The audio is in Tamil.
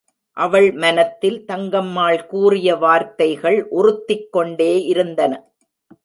அவள் மனத்தில் தங்கம்மாள் கூறிய வார்த்தைகள் உறுத்திக் கொண்டே இருந்தன.